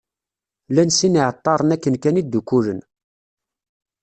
Llan sin n yiεeṭṭaren akken kan i ddukkulen.